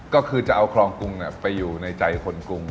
ก็คือจะเอาคลองกรุงไปอยู่ในใจคนกรุง